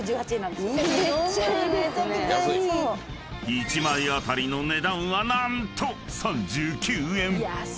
［１枚当たりの値段は何と３９円］